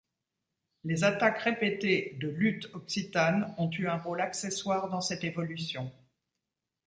Les attaques répétées de Lutte Occitane ont eu un rôle accessoire dans cette évolution.